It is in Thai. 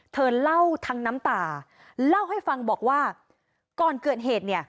เธอเล่าทั้งน้ำตาเล่าให้ฟังบอกว่าก่อนเกิดเหตุเนี่ย